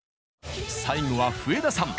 最後は笛田さん。